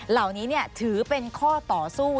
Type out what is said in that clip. เหล่านี้ถือเป็นข้อต่อสู้